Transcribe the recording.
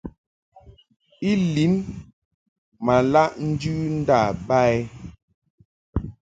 I lin ma laʼ njɨ nda ba i.